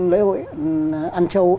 lễ hội ăn châu